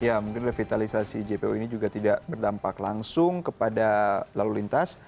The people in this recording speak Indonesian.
ya mungkin revitalisasi jpo ini juga tidak berdampak langsung kepada lalu lintas